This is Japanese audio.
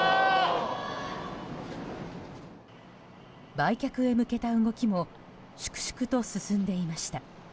売却へ向けた動きも粛々と進んでいました。